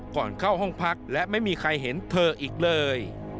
ก่อนเข้าห้องพักและไม่มีใครเห็นเธออีกเลย